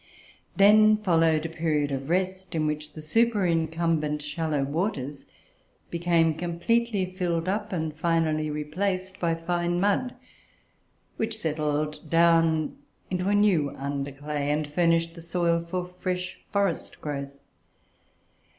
Then followed a period of rest, in which the superincumbent shallow waters became completely filled up, and finally replaced, by fine mud, which settled down into a new under clay, and furnished the soil for a fresh forest growth.